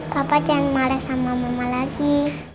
bapak jangan marah sama mama lagi